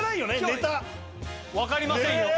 分かりませんよ。